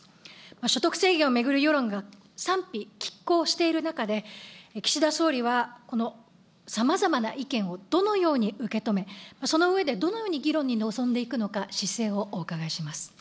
所得制限を巡る世論が賛否きっ抗している中で、岸田総理は、このさまざまな意見をどのように受け止め、その上でどのように議論に臨んでいくのか、姿勢をお伺いします。